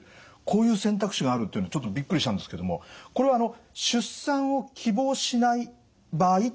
こういう選択肢があるっていうのちょっとびっくりしたんですけどもこれは出産を希望しない場合っていうことで考えていいんですか？